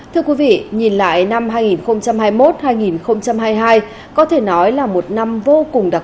thưa quý vị nhìn lại năm hai nghìn hai mươi một hai nghìn hai mươi hai có thể nói là một năm vô cùng đặc biệt